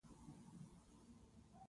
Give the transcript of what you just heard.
موسهي د کابل ولايت يوه ولسوالۍ ده